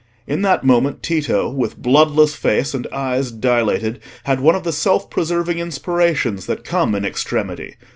In that moment Tito, with bloodless face and eyes dilated, had one of the self preserving inspirations that come in extremity.